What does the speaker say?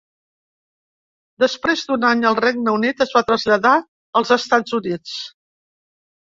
Després d'un any al Regne Unit, es va traslladar als Estats Units.